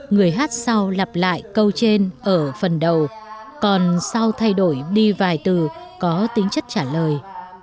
người hát sau lặp lại câu trên ở phần đầu còn sau thay đổi đi vài từ có tính chất trả lời